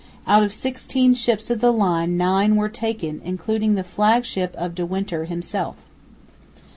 Out of sixteen ships of the line nine were taken, including the flag ship of De Winter himself.